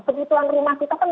kebutuhan rumah kita kan